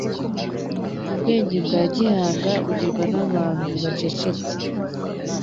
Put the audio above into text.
Ubwenge bwa gihanga bugirwa n’abantu bacecetse